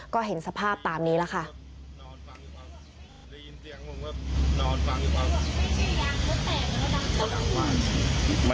ก็เห็นสภาพตามนี้แล้วค่ะ